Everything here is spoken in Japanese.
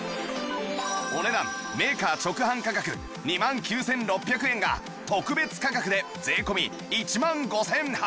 お値段メーカー直販価格２万９６００円が特別価格で税込１万５８００円